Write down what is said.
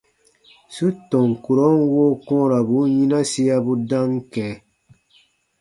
Su tɔn kurɔn woo kɔ̃ɔrabun yinasiabu dam kɛ̃.